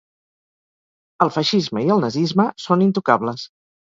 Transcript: El feixisme i el nazisme són intocables.